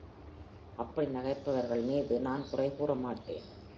அப்படி நகைப்பவர்கள் மீது நான் குறை கூறமாட்டேன்.